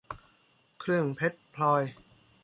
เครื่องเพชรพลอย